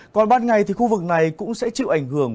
còn ban ngày thì khu vực này cũng sẽ chịu ảnh hưởng